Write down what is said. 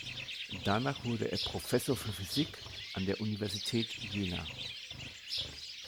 Danach wurde er Professor für Physik an der Universität Jena.